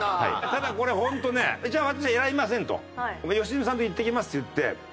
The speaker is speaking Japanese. ただこれホントねじゃあ私選びませんと良純さんと行ってきますって言って。